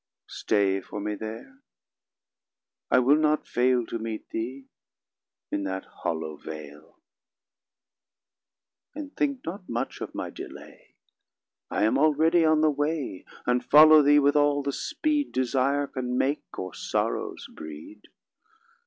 Stay for me there; I will not fail To meet thee in that hollow vale: 90 And think not much of my delay; I am already on the way, And follow thee with all the speed Desire can make, or sorrows breed.